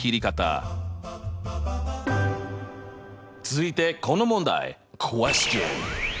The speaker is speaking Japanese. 続いてこの問題！